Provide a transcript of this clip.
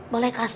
boleh kas bon